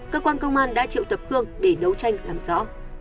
cơ quan công an đã triệu tập khương để đấu tranh làm rõ